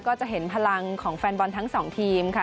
ก็จะเห็นพลังของแฟนบอลทั้งสองทีมค่ะ